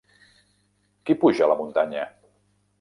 Qui puja la muntanya?